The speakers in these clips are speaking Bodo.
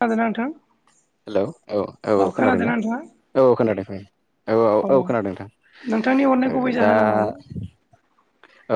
जागोनना नोंथां हेलौ औ-औ औ खोनादोंना नोंथाङा औ खोनादों औ औ-औ-औ-औ खोनादों नोंथां नोंथांनि हरनाय गुबै ओ दा जाहोना मामोन?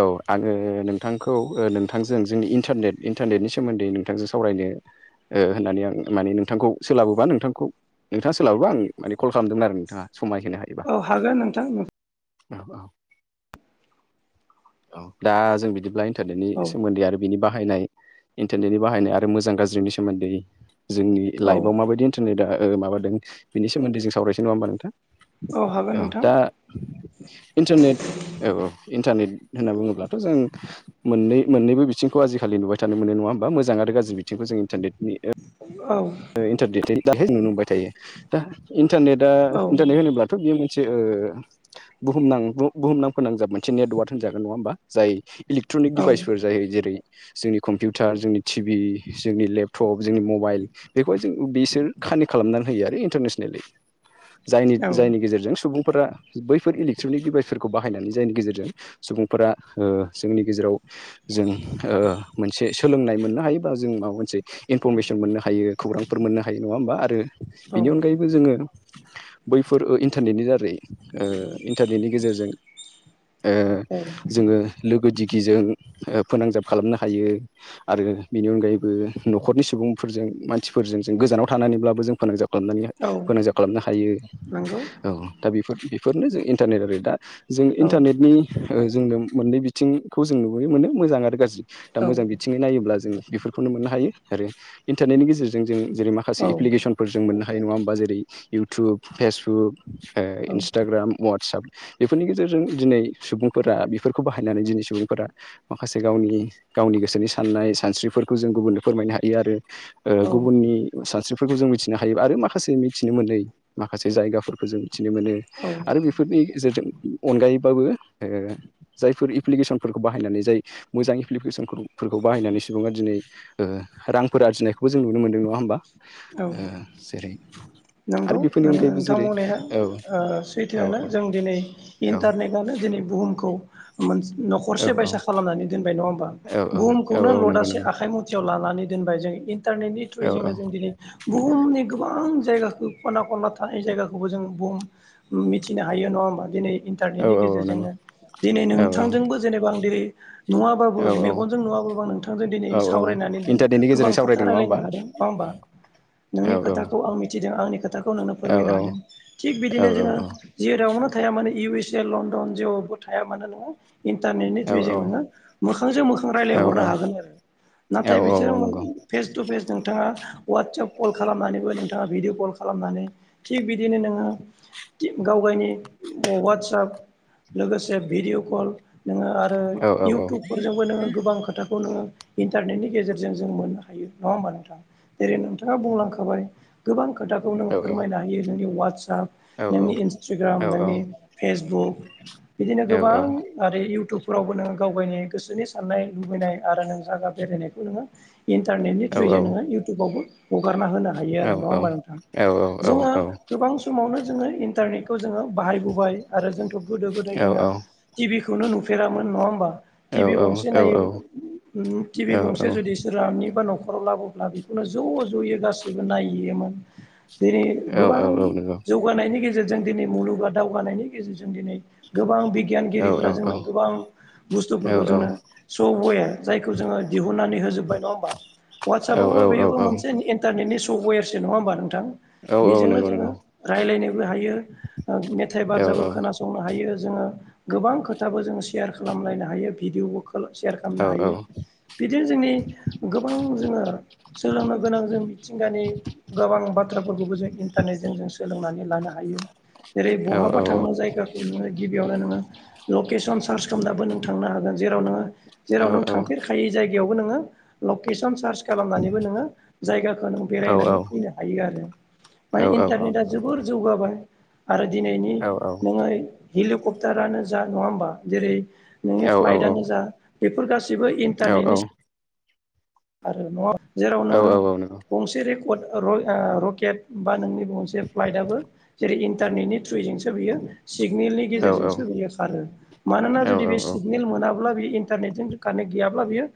औ आङो नोंथांखौ ओ नोंथांजों जोंनि इन्टारनेट इन्टारनेटनि सोमोन्दै नोंथांजों सावरायनो ओ होननानै आं माने नोंथांखौ सोलाबोबा नोंथांखौ नोंथाङा सोलाबोबा आं माने कल खालाम दोंमोन आरो नोंथाङा समाय औ हागोन नोंथां औ-औ-औ दा जों बिदिब्ला इन्टारनेटनि औ सोमोन्दै आरोब बिनि बाहायनाय इन्टारनेटनि बाहायनाय आरो मोजां गाज्रिनि सोमोन्दै जों औ लाइभआव माबायदि इन्टारनेटआ ओ माबादों बिनि सोमोन्दै जों सावरायसो नङा होनबा नोंथां हागोन औ नोंथां दा इन्टारनेट औ-औ इन्टारनेट होनना बुङोब्लाथ' जों मोननै मोननैबो बिथिंखौ आजिखालि नुबाय थानो मोन नङा होमबा मोजां आरो गाज्रि बिथिंखौ जों इन्टारनेटनि औ ओ इन्टारनेट दाह नुनो मोनबाय थायो दा इन्टारनेटआ औ इन्टारनेट होनोब्लाथ' बेयो मोन से ओ बुहुमनां बुहुमनां फोनांजाब मोनसे नेटवार्क होनजागोन नङा होमबा जाय इलेक्ट्रनिक औ डिभाइसफोर जायो जेरै जोंनि कम्पिउटार जोंनि टिभि जोंनि लेपटप जोंनि मबाइल बेखौहाय जों बिसोर खानि खालामनानै होयो आरो इन्टारनेसनेलि जायनि जायनि औ गेजेरजों सुबुं फोरा बैफोर इलेकट्रनिक डिभाइसफोरखौ बाहायनानै जायनि गेजेरजों सुबुंफोरा ओ जोंनि गेजेराव जों ओ मोनसे सोलोंनाय मोननो हायो बा जों माबा मोनसे इनफरमेसन मोननो हाय हायो खौरांफोर मोननो हायो नङा होमबा आरो औ बिनि अनगायैबो जोङो बैफोर ओ इन्टारनेटनि दारै ओ इन्टारनेटनि गेजेरजों ओ औ जोङो लोगो दिगिजों फोनांजाब खालामनो हायो आरो रो बेनि अनगायैबो न'खरनि सुबुंफोरजों मानसिफोरजों जों गोजानाव थानानैब्लाबो जों फोनांजाब खालामनानै औ फोनांजाब खालामनो हायो। नंगौ औ। दा बेफोर बेफोरनो जों इन्टारनेट आरो दा। जों औ इन्टारनेटनि ओ जोंनो मोननै बिथिंखौ जों नुबोनो मोनदों, मोजां आरो गाज्रि। दा औ मोजां बिथिङै नायोब्ला जों बेफोरखौनो मोननो हायो आरो इन्टारनेटनि गेजेरजों जों जेरै माखसे औ एप्फेकेस्नफोर जों मोननो हा हायो नङा होमबा? जेरै इउथुब फेसबुक ओ इन्सटाग्राम वाटसाप। बेफोरनि गेजेर जों दिनै सुबुंफोरा बेफोरखौ बाहायनानै दिनै सुबुंफोरा माखासे गावनि गावनि गोसोनि सान नाय सानस्रिफोरखौ जों गुबुननो फोरमायनो हायो आरो ओ औ गुबुननि सानस्रिफोरखौ जों मिथिनो हायो आरो माखासे मिथिनो मोनै माखासे जायगाफोरखो जों मिथिनो मोनो आरो बेफोरनि गेजेरजों अनगायैबाबो ओ जायफोर इफ्लिके सनफोरखौ बाहायनानै जाय मोजां इफ्लिफेसनफोरखौ बाहायनानै सुबुंआ दिनै ओ रां फोर आरजिनायखौबो जों नुनो मोन्दों नङा होमबा? औ ओ जेरै आरो नंगौ बेफोरनि अनगायैबो नों-नोंथां जेरै बुंनाया औ ओ औ सैथोआनो जों दिनै औ इन्टारनेटआनो दिनै बे बुहुमखौ मोनस न'खरसे औ बायसा खालामनानै दोनबाय नङा होमबा औ औ बुहुमखौनो औ नंगौ लदासे नंगौ आखाइ मुथि याव लानानै दोनबाय। जों इन्टारनेटनि औ औ थ्रुयैजोंनो जों दिनै बुहुमनि गोबां जायगाखौ खना खनला थानाय जायगाखौबो जों बुहुम मिथिनो हायो न नङा होमा दिनै औ इन्टारनेटनि औ औ नंगौ गेजेरजोंनो दिनै औ नोंथांजोंबो जेनेबा आं दिरै नुवाबाबो औ मेगनजों नुवाबाबा नोंथांजों दिनै औ औ सावरायनानै इन्टारनेटनि गेजेरजों गोबां सावरायदों खोथा नङा होमबा रायलायनो हादों, नङा होमबा? औ नोंनि औ खोथाखौ आं मिथिदों आंनि खोथा खौ नोंनो औ फोरमायनो औ हादों। थिग औ बिदिनो जोङो जेरावनो थाया माने इउ एस ए, लण्डन जेवावबो थाया मानोे नोङो इन्टारनेटनि औ थ्रुयिजों नोङो मोखांजों मोखां रायलायहरनो औ हागोन आरो। औ नाथाय औ बिजों औ नंगौ फेस टु फेस नोंथाङा वाटसाप कल खालामनानैबो नोंथाङा भिडिअ कल खालामनानै थिग बिदिनो नोङो गावगायनि वाटसाप लोगोसे भिडिअ' कल नोङो आरो औ औ औ इउटुबफोरजोंबो नोङो गोबां खोथा खौ नोङो इन्टारनेटनि गेजेरजों जों मोननो हायो, नङा होमबा नोंथां? जेरै नोंथाङा बुंलांखाबाय गोबां खोथाखौ औ नंगौ औ नंगौ औ नंगौ औ नंगौ औ नों फोरमायनो हायो नोंनि वा टसप नोंनि इन्सटाग्राम, नोंनि फेसबुक बिदिनो गोबां आरो इउटुब फोरावबो नोङो गावगायनि गोसोनि साननाय लुबैनाय आरो नों जागा बेरायनायखौ नोङो इन्टारनेटनि थ्रयिजों नोङो इउटुबावबो हगार ना होनो हायो आरो, नङा होनबा नोंथां? जोङो गोबां समावनो जोङो इन्टारनेटखौ जोङो बाहायबोबाय आरो जोंथ' गोदो गोदाय जोङो टि भि खौनो नुफेरामोन, नङा होमबा? टि भि गंसे नायो टिभि गंसे जुदि सोरानिबा न'खराव लाबोब्ला बे खौनो ज' ज'यै गासिबो नायहैयोमोन। दिनै गोबां जौगानायनि गेजेर जों दिनै मुलुगा दावगानायनि गेजेरजों, दिनै मुलुगा दावगानायनि गेजेरजों, दिनै गोबां बिगियानगिरिफोरा जोंनो गोबां बुस्थुफोरखौ जोंनो सब वे जायखौ जोङो दिहुननानै होजोब्बाय, नङा होमबा? वाटसापआवबो बेबो मोनसे इन्टारनेटनि सफटवेरसो नङा होमबा नोंथां? बेजोंनो जोङो रायलायनो बो हायो, मेथाइ बाजाबो खोनासंनो हायो, जोङो गोबां खोथाबो जों सेयार खालामलायनो हायो, भिडिअबो सेयार औ खालामनो हायो। नंगौ औ बिदिनो जोंनि गोबां जोङो सोलोंनो गोनां जों मिथिंगानि गोबां बाथ्राफोरखौबो जों इन्टारनेटजों जों सोलोंनानै लानो हायो। जेरै बहाबा औ थांनो जायगाखौ नोङो गिबियावनो नोङो लकेसन सार्च सोमनाबो नों थांनो हागोन जेराव नोङो जेराव नों थांफेरखायि जायगायावबो नोङो लकेसन सार्च खालामनानैबो नोङो जायगाखौ नों बेरायनानै फैनो हायो आरो माने इन्टारनेटआ जोबोर जौगाबाय आरो दिनैनि नोङो हेलिकप्टारानो जा नङा होमबा जेरै नोंनि फ्लाइटआनो जा बेफोर गाैबो इन्टारनेटनि आरो नङ जेराव नोङो गंसे रे रकेट बा नोंनि मोनसे फ्लाइटआबो जेरै इन्टारनेटनि थ्रुयैजोंसो बियो। सिगनेलनि गेजेरजोंसो बियो खारो मानोना जुदि बे सिगनेल मोनाब्ला बि इनथारनेद जों खानेक बियो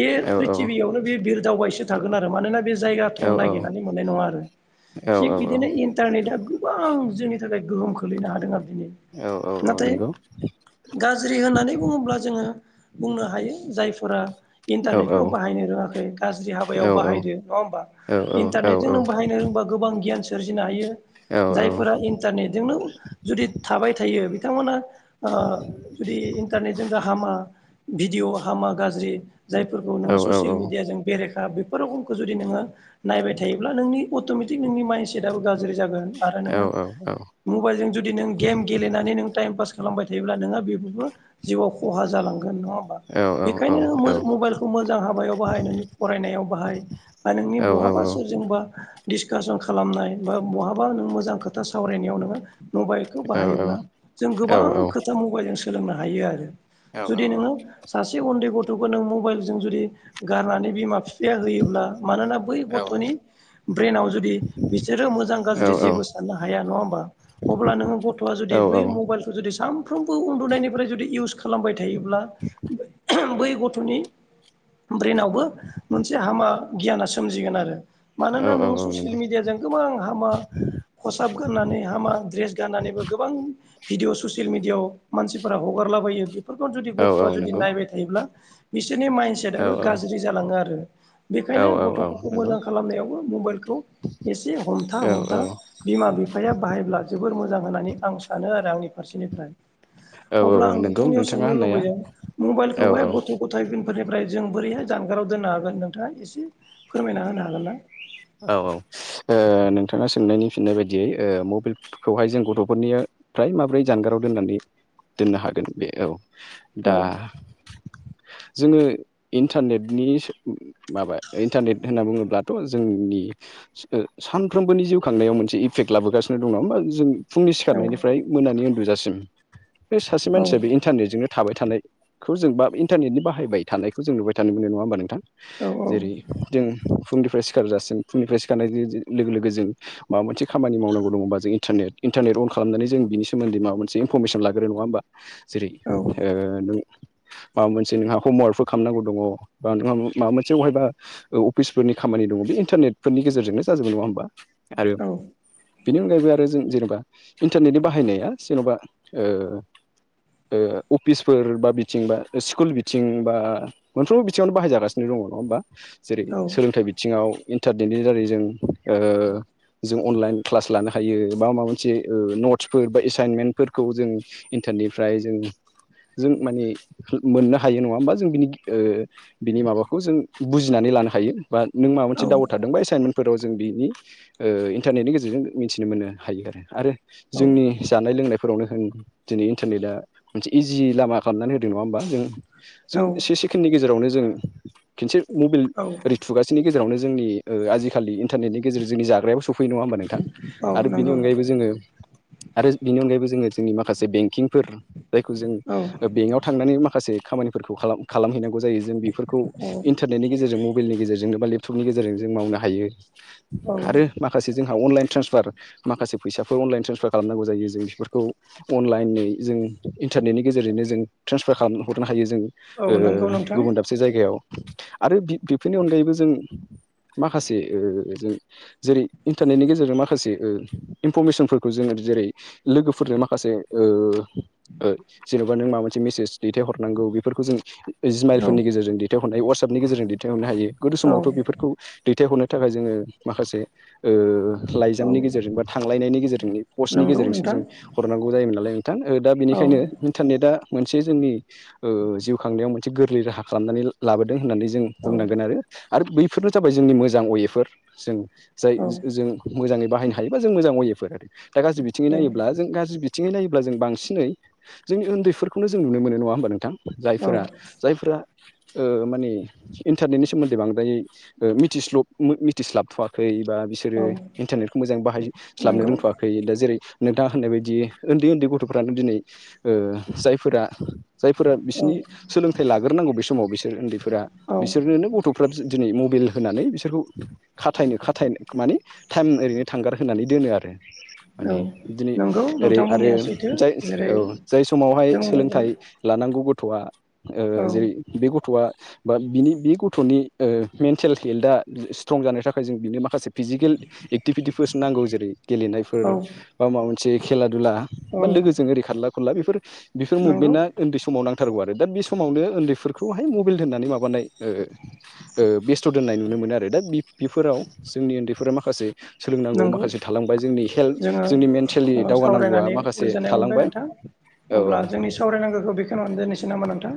बे प्रिथिबियावनो बे बिर दावबायसो थागोन आरो मानोना बे जायगा थं नायिरनानै मोननाय नङा आरो थिग बिदिनो इन्टारनेटा गोबां जोंनि थाखाय गोहोम खोलैनो हादों आरो नाथाय गाज्रि होननानै बुङोब्ला जोङो बुंनो हायो जायफोरा इन्टारनेट बाहायनो रोङाखै गाज्रि हाबायाव बाहायदो नङा हबा औ औ इन्टारनेटजों नों बाहायनो रोंबा गोबां गियान सोरजिनो हायो औ जायफोरा इन्टारनेटजोंनो जुदि थाबाय थायो बिथांमोना ओ जुदि इन्टारनेटजों गाहामा भिडिअ' हामा गाज्रि जाय फोरखौ नोङो ससियेल मिडिजों बेरेखा दा बेफोर रखमखौ जुदि नोङो नायबाय थायोब्ला नोंनि अट'मेटिक नोंनि माइन्डसेटाबबो गाज्रि जागोन। आरो नोङो मबाइलजों जुदि नों गेम गेलेनानै नों टाइम पास खालामबाय थायोब्ला नोंहा बेबो जिउआव खहा जालांगोन नङा होमबा बेखायनो मबाइल मोजां हाबायाव बाहाय नोंनि फरायनायाव बाहाय बा नोंनि बहाबा सोरजोंबा डिसकासन खालामनाय बा बहाबा नों मोजां खोथा सावरायनायाव नोङो मबाइलखौ बाहायोब्ला जों गोबां खोथा मबाइलजों सोलोंनो हायो आरो। जुदि नोङो सासे उन्दै गथ'खौ नों मबाइलजों जुदि गारनानै बिमा बिफाया होयोब्ला मानोना बै गथ'नि ब्रेनाव जुदि बिसोरो मोजां गाज्रि जेबो साननो हाया नङा होमबा अब्ला नोङो गथ'आ जुदि बै मबाइलखौ जुदि सामफ्रामबो उन्दुनायनि ओमफ्राय जुदि इउस खालामबाय थायोब्ला बै गथ'नि ब्रेनावबो मोनसे हामा गियाना सोमजिगोन आरो औ मानोना नोङो ससियेल मिडियाजों गोबां हामा खसाब गाननानै हामा द्रेस गाननानैबो गोबां भिडिअ ससियेल मिडियाआव मानसिफोरा हगारलाबायो बेफोरखौ जुदि औ औ नंगौ औ गथ'आ जुदि नंगौ नायबाय थायोब्ला बिसोरनि औ माइन्दसेटआबो गाज्रि जालाङो आरो औ बेखायनो औ गथ'फोरखौ नंगौ मोजां खालामनायावबो मबाइलखौ एसे हमथा औ हमथा बि बिमा बिफाया बाहायब्ला जोबोर मोजां होननानै आं सानो आरो आंनि फारसेनिफ्राय औ अब्ला औ आं नंगौ नोंथांनियाव नोंथाङा सोंनो होननाया लुबैयो औ मबाइलखौहाय गथ' गथाय निफ्राय जों बोरैहाय जानगाराव दोननो हागोन नोंथाङा एसे फोरमायना होनो हागोन ना औ औ नोंथाङा सोंनायनि फिननाय बायदियै मबाइलफोरखौहाय जों गथ'फोरनिया फ्राय माब्रै जानगाराव दोननानै दोननो हागोन बे औ दा हागोन जोङो इन्टारनेटनि सो माबा इन्टारनेट होनना बुङोब्लाथ' जोंनि सानफ्रोमबोनि जिउ खांनायाव मोनसे इफेक्ट लाबोगासिनो दङ नङा होमबा जों फुंनि ना सिखारनायनिफ्राय मोनानि उन्दुजासिम बे सासे मानसिया बे इन्टारनेटजोंनो थाबाय थानाय खौ जों बा इन्टारनेटनि बाहायबाय थानायखौ जों नुबाय थानो मोनो नङा होमबा नोंथां औ जेरै जों फुंनिफ्राय सि सिखार जासि फुंनिफ्राय सिखारनाय लोगो लोगो जों माबा मोनसे खामानि मावनांगौ दङबा जों इन्टरनेट इन्टरनेट आव खालामनानै जों बिनि सोमोन्दै माबा मोनसे इनफरमेसन लाग्रो नङा होमबा जेरै औ नों माबा मोनसे नोंहा हमवार्कफोर खालामनांगौ दङ बा नों माबा मोनसे बबहायबा अफिसफोरनि खामानि दङ बे इन्टारनेटफोरनि गेजेरजोंनो जाजोबो नङा होमबा आरो बिनि अनगायैबो आरो जों जेनेबा इन्टारनेटनि बाहायनाया जेन'बा ओ ओ अफिसफोर बा बिथिं बा स्कुल बिथिं बा मोनफ्रोमबो बिथिङावनो बाहायजागासिनो दं दङ नङा होमबा जेरै सोलोंथाइ बिथिङाव इन्टारनेटनि दारै जों ओ जों अनलाइन क्लास लानो हायो बा माबा मोनसे ओ नटसफोर बा एसाइनमेन्टफोरखौ जों निफ्राय जों जों माने मोननो हायो नङा होमबा जों बिनि ओ बिनि माबाखौ जों बुजिनानै लानो हायो बा नों माबा औ मोनसे दावड थादोंबा एसाइनमेन्टफोराव जों बिनि इन्टारनेटनि गेजेरजों मिथिनो मोननो हायो आरो जोंनि जानाय लोंनाय फोरावनो होन दिनै इन्टारनेटआ मोनसे इजि लामा खालामनानै होदों नङा होमबा जों औ जों से सेकेण्डनि गेजेरावनो जों खनसे मबाइल औ ओरै थुगासेनि गेजेर आवनो जोंनि ओ आजिखालि इन्टारनेटनि गेजेरजों जाग्रायाब सफैयो नङा होमबा नोंथां? औ आरो बिनि नंगौ अनगायैबो जोङो आरो बिनि अनगायैबो जोङो जोंनि माखासे बेंकिंफोर जायखौ जों औ ओ बेंकआव थांनानै माखासे खामानिफोरखौ खालाम खालामहैनांगौ जायो जों बेफोर खौ औ इन्टारनेटनि गेजेरजों मबाइलनि गेजेरजोंनो बा लेप टबनि गेजेरजों जों मावनो हायो औ आरो माखासे जोंहा अनलाइन ट्रेन्सफार माखासे फैसाफोर अनलाइन ट्रेसफार खालामनांगौ जायो जों बेफोरखौ अनलाइनै जों इन्टारनेटनि गेजेरजोंनो जों ट्रेन्सफार खालाम हरनो हायो जों औ नंगौ ओ नोंथां गुबुन दाबसे जायगायाव आरो बि बिफोरनि अनगायैबो जों [unintelligible] माखासे ओ जों जेरै इन्टारनेटनि गेजेरजों माखासे इनफरमेसनफोरखौ जों जेरै लोगोफोरजों माखासे जेनेबा नों माबा मोनसे मेसेज दैथायहरनांगौ, बेफोरखौ जों औ जिमाइलफोरनि गेजेरजों दैथायहरनाय वाट्सापनि गेजेरजों दैथहरनो हायो गोदो औ समावथ' बेफोरखौ दैथायहरनो थाखाय जोङो माखासे औ लाइजामनि गेजेरजों बा थांलायनायनि गेजेरजों पस्टनि नंगौ गेजेरजोंसो नोंथां जों हरनांगौ जायोमोन नालाय नोंथां। ओ दा औ बेनिखायनो इन्टारनेटा मोनसे जोंनि जिउ खांनायाव मोनसे गोरलै राहा खालामनानै लाबोदों होननानै जों औ बुंनांगोन आरो। आरो बैफोरनो जाबाय जोंनि मोजां अवेफोर जों जाय औ जों मोजाङै बाहायनो हायोबा जों मोजां अवे फोर दा गाज्रि बिथिं औ नायोब्ला जों गाज्रि बिथिङै नायोब्ला जों बांसिनै जोंनि उन्दैफोरखौनो जों नु नुनो मोन नङा होनबा नोंथां जायफोरा जायफोरा ओ माने इन्टारनेटनि सोमोन दै बांद्राय मिथिस्लब मिथिस्लाबथवाखै बा बिसोरो औ इन्टारनेटखौ मोजां बाहाय स्लाबनो नंगौ रोंथवाखै दा जेरै नोंथाङा होननाय बायदि उन्दै उन्दै गथ'फ्रानो दिनै ओ जायफोर आ औ बिसोरनि सोलोंथाइ लाग्रोनांगौ बे समाव बिसोर उन्दैफोरा औ बिसोरनोनो गथ' फ्रा दिनै मबाइल होनानै बिसोरखौ खाथायनो खाथाय माने टाइम ओरैनो थांगार होनानै दोनो आरो। औ माने बिदि नंगौ ओरै नोंथां आरो बुंनाया सैथो जाय जेरै औ जाय समावहाय जों सोलोंथाइ लानांगौ बे गथ'आ औ जेरै बे गथ'आ बा बिनि बे गथ' गथ'नि ओ मेन्टेल हेल्थआ स्ट्रं जानायानो थाखाय जों बिनो माखासे फिजिकेल एक्टिभिटिफोरसो नांगौ जेरै गेलेनाय औ बा माबा मोनसे खेला दुला औ बा लोगोजों खारला खुरला बेफोर बेफोर नंगौ मुभमेन्टआ उन्दै समाव नांथारगौ आरो दा बे समावनो उन्दैफोरखौहाय मबाइल होनानै माबा ओ बेस्थ' दोननाय नुनो मोनो आरो दा बेफोराव जोंनि उन्दैफोरा माखासे सोलोंनांगौ नंगौ माखासे थालांबाय जोंनि जोङो हेल्थ जोंनि ओ मेन्टेलि दावगानांगौआ सावरायनानै माखासे गोजोननाय मोनबाय थालांबाय। नोंथां औ अब्ला औ जोंनि सावरायनांगौखौ बेखौनानै दोननोसै नामा नोंथां?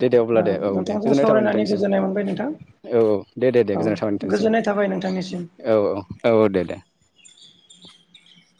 दे दे अब्ला ओ दे औ दे नोंथांजों गोजोननाय थाबाय सावरायनानै नोंथांनिसिम गोजोननाय मोनबाय नोंथां। औ दे दे दे गोजोननाय थाबाय औ नोंथांनिसिम गोजोननाय थाबाय नोंथांनिसिम। औ औ औ दे दे [inaudible]